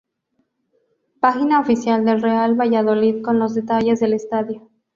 Página oficial del Real Valladolid con los detalles del estadio